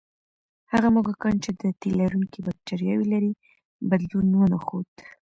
هغه موږکان چې د تیلرونکي بکتریاوې لري، بدلون ونه ښود.